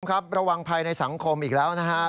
ครับระวังภัยในสังคมอีกแล้วนะครับ